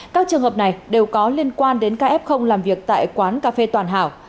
các trường hợp này đều có liên quan đến kf làm việc tại quán cà phê toàn hảo